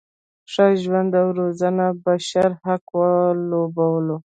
ښه ژوند او روزنه یې بشري حق وبولو.